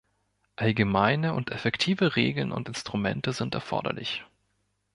Allgemeine und effektive Regeln und Instrumente sind erforderlich.